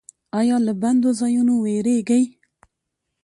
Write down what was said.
ایا له بندو ځایونو ویریږئ؟